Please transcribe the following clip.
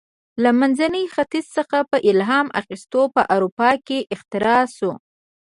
له منځني ختیځ څخه په الهام اخیستو په اروپا کې اختراع شوه.